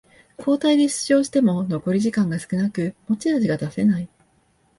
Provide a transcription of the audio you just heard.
交代で出場しても残り時間が少なく持ち味が出せない